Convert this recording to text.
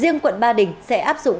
riêng quận ba đỉnh sẽ áp dụng